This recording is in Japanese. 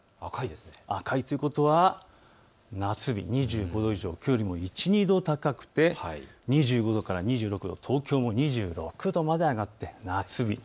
赤いということは夏日２５度以上、きょうよりも１、２度高くて２５度から２６度、東京２６度まで上がって夏日。